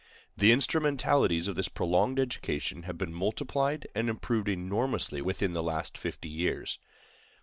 The instrumentalities of this prolonged education have been multiplied and improved enormously within the last fifty years.